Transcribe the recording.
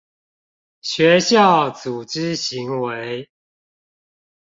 學校組織行為